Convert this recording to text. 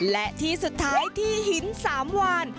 และที่สุดท้ายที่หิน๓วาน